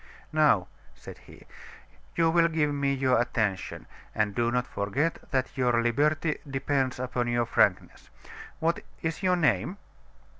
"Now," said he, "you will give me your attention; and do not forget that your liberty depends upon your frankness. What is your name?"